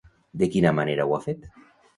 De quina manera ho ha fet?